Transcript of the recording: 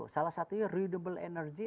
salah satunya renewable energy